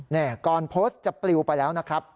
นี่ก่อนโพสต์จะปลิวไปแล้วนะครับ